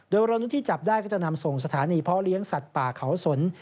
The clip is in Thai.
โดยวรนุษย์ที่จับได้ก็จะนำส่งสถานีเพาะเลี้ยงสัตว์ป่าเขาสน